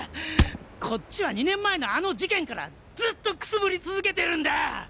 こっちは２年前のあの事件からずっとくすぶり続けてるんだ！